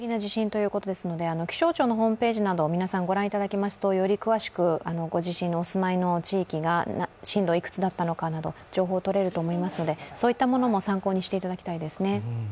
気象庁のホームページなどをご覧いただきますとより詳しくご自身のお住まいの地域が震度いくつだったのかなど情報をとれると思いますので、そういったものも参考にしていただきたいですね。